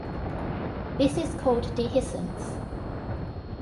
This is called dehiscence.